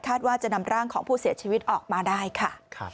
ว่าจะนำร่างของผู้เสียชีวิตออกมาได้ค่ะ